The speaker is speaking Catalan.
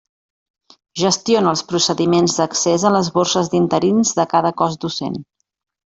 Gestiona els procediments d'accés a les borses d'interins de cada cos docent.